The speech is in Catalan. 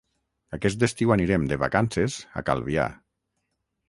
Aquest estiu anirem de vacances a Calvià.